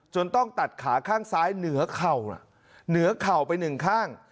จนต้องตัดขาข้างซ้ายเหนือเข่าหรือเหนือเข่าไป๑ข้าง